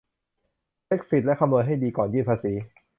เช็กสิทธิ์และคำนวณให้ดี ก่อนยื่นภาษี